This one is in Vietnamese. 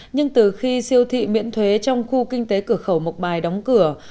nhưng từ khi siêu thị miễn thuế trong khu kinh tế cửa khẩu mộc bài đóng cửa